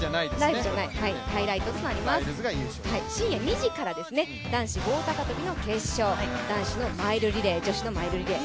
ハイライトとなります、深夜２時からですね、男子棒高跳の決勝、男子のマイルリレー、女子のマイルリレー。